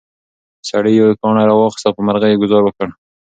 سړي یو کاڼی راواخیست او په مرغۍ یې ګوزار وکړ.